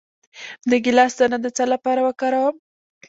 د ګیلاس دانه د څه لپاره وکاروم؟